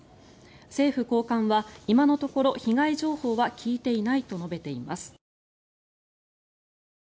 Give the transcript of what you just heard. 政府高官は今のところ被害情報は聞いていないと述べています。